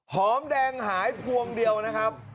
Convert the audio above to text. หอมแดงหายพวงเดียวนะครับ